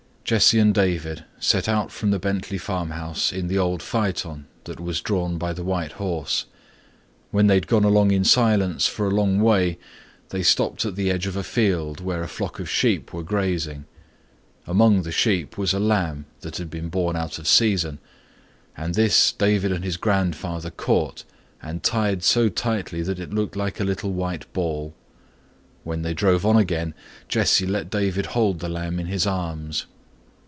Jesse and David set out from the Bentley farmhouse in the old phaeton that was drawn by the white horse. When they had gone along in silence for a long way they stopped at the edge of a field where a flock of sheep were grazing. Among the sheep was a lamb that had been born out of season, and this David and his grandfather caught and tied so tightly that it looked like a little white ball. When they drove on again Jesse let David hold the lamb in his arms.